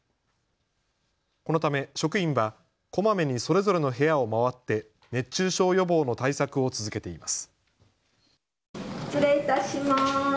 このため職員はこまめにそれぞれの部屋を回って熱中症予防の対策を続けています。